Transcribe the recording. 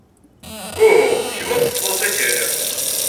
Uhu, kemm ad teḍḍfed asakal.